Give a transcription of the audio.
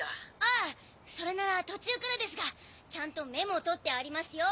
あぁそれなら途中からですがちゃんとメモを取ってありますよ。